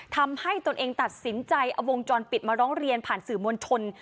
ตนเองตัดสินใจเอาวงจรปิดมาร้องเรียนผ่านสื่อมวลชน